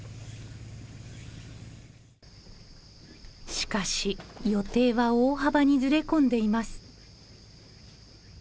しかし予定は大幅にずれ込んでいます。